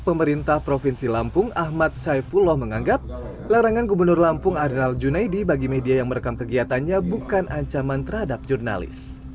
pemerintah provinsi lampung ahmad saifullah menganggap larangan gubernur lampung arinal junaidi bagi media yang merekam kegiatannya bukan ancaman terhadap jurnalis